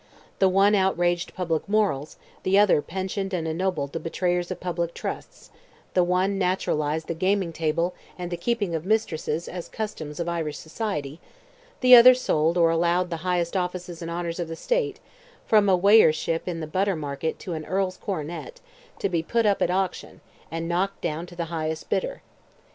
The one outraged public morals, the other pensioned and ennobled the betrayers of public trusts; the one naturalized the gaming table and the keeping of mistresses as customs of Irish society; the other sold or allowed the highest offices and honours of the state—from a weighership in the butter market to an earl's coronet—to be put up at auction, and knocked down to the highest bidder.